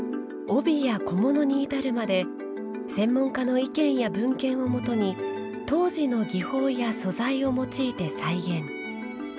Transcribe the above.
帯や小物に至るまで、専門家の意見や文献をもとに当時の技法や素材を用いて再現。